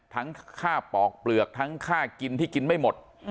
ทั้งค่าปอกเปลือกทั้งค่ากินที่กินไม่หมด